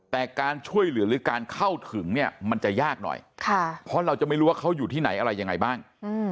แต่การช่วยเหลือหรือการเข้าถึงเนี่ยมันจะยากหน่อยเพราะเราจะไม่รู้ว่าเขาอยู่ที่ไหนอะไรยังไงบ้าง